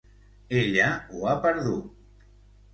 Ella ho ha perdut!